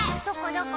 どこ？